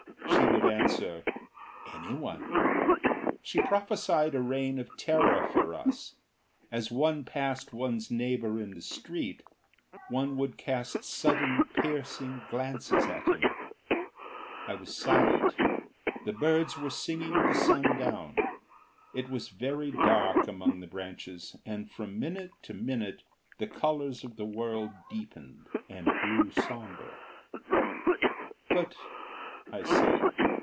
She would answer: "Anyone." She prophesied a reign of terror for us. As one passed one's neighbour in the street one would cast sudden, piercing glances at him. I was silent. The birds were singing the sun down. It was very dark among the branches, and from minute to minute the colours of the world deepened and grew sombre. "But " I said.